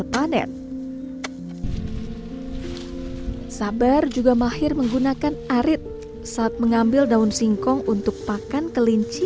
panen sabar juga mahir menggunakan arit saat mengambil daun singkong untuk pakan kelinci